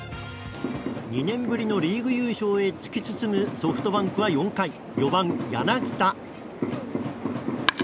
２年ぶりのリーグ優勝へ突き進むソフトバンクは４回４番、柳田。